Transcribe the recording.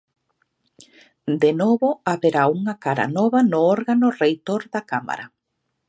De novo haberá unha cara nova no órgano reitor da Cámara.